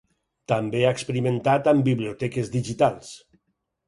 També ha experimentat amb biblioteques digitals.